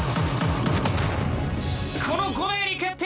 ［この５名に決定！］